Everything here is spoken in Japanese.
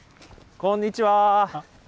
こんにちは。